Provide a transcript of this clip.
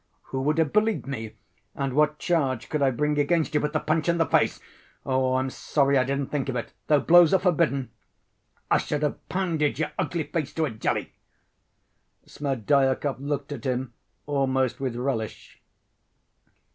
Who would have believed me and what charge could I bring against you? But the punch in the face ... oh, I'm sorry I didn't think of it. Though blows are forbidden, I should have pounded your ugly face to a jelly." Smerdyakov looked at him almost with relish.